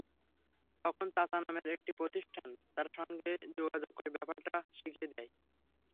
তখন চাচা নামের একটি প্রতিষ্ঠান তাঁর সঙ্গে যোগাযোগ করে ব্যাপারটা শিখিয়ে দেয়।